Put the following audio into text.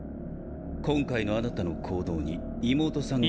今回の貴方の行動に妹さんが――。